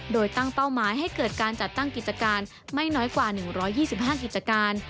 โดยตั้งเป้าหมายให้เกิดการจัดตั้งกิจการไม่น้อยกว่า๑๒๕กิจการ